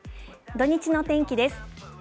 土日の天気です。